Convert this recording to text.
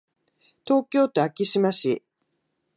東京都昭島市